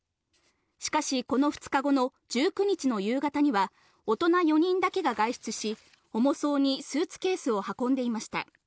しかし、この２日後の１９日の夕方には大人４人だけが外出し、重そうにスーツケースを運んでいました。